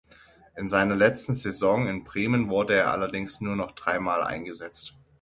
In seiner letzten Saison in Bremen wurde er allerdings nur noch dreimal eingesetzt.